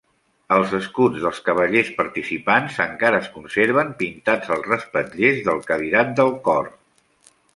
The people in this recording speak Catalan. Els escuts dels cavallers participants, encara es conserven pintats als respatllers del cadirat del cor.